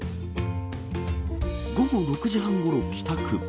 午後６時半ごろ帰宅。